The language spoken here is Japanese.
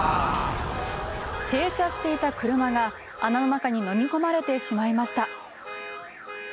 停車していた車が穴の中にのみ込まれてしまいました。